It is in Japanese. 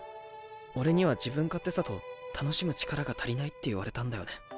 俺には自分勝手さと楽しむ力が足りないって言われたんだよね。